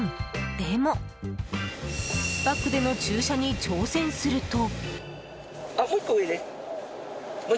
でも、バックでの駐車に挑戦すると。